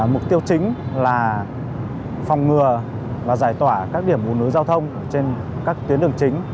mục tiêu chính là phòng ngừa và giải tỏa các điểm bùn nối giao thông trên các tuyến đường chính